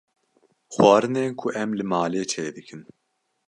Xwarinên ku em li malê çê dikin